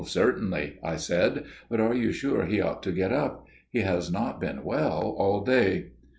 "Certainly," I said; "but are you sure he ought to get up? He has not been well all day."